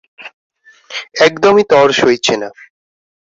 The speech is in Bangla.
একদমই তর সইছে না।